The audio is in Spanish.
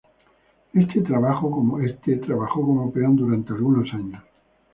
Éste trabajó como peón durante algunos años.